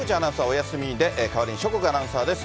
お休みで、代わりに諸國アナウンサーです。